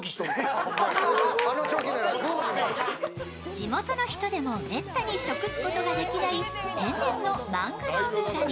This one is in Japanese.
地元の人でもめったに食すことができない天然のマングローブ蟹。